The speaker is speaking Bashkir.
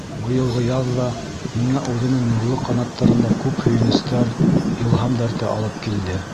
Быйылғы яҙ ҙа миңә үҙенең нурлы ҡанаттарында күп һөйөнөстәр, илһам дәрте алып килде.